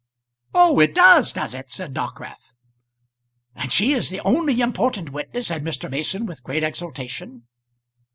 "Oh, it does; does it?" said Dockwrath. "And she is the only important witness?" said Mr. Mason with great exultation.